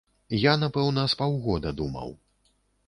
Я, напэўна, з паўгода думаў.